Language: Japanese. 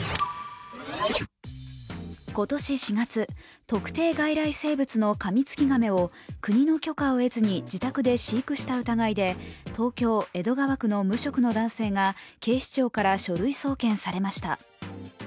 今年４月、特定外来生物のカミツキガメを国の許可を得ずに自宅で飼育した疑いで東京・江戸川区の無職の男性が警視庁から書類送検されました。